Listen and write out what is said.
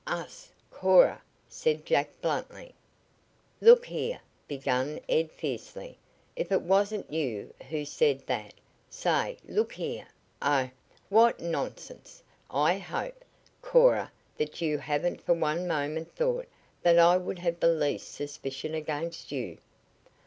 "Us Cora," said Jack bluntly. "Look here," began Ed fiercely; "if it wasn't you who said that say look here Oh, what nonsense! I hope, Cora, that you haven't for one moment thought that I would have the least suspicion against you."